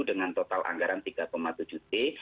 dengan total anggaran tiga tujuh t